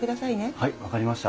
はい分かりました。